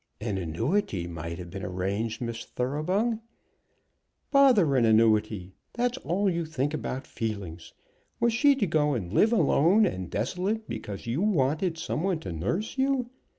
"An annuity might have been arranged, Miss Thoroughbung." "Bother an annuity! That's all you think about feelings! Was she to go and live alone and desolate because you wanted some one to nurse you?